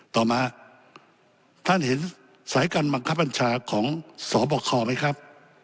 ต่อมาท่านเห็นสายการบังคับบัญชาของสบคไหมครับ